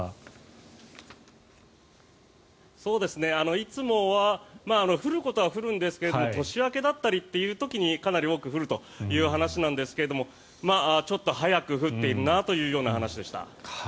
いつもは降ることは降るんですが年明けだったりという時にかなり多く降るという話ですがちょっと早く降っているなという話でした。